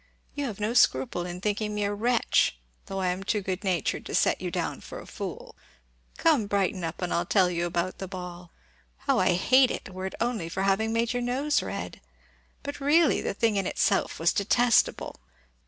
You have no scruple in thinking me a wretch, though I am too good natured to set you down for a fool. Come, brighten up, and I'll tell you all about the ball. How I hate it, were it only for having made your nose red! But really the thing in itself was detestable.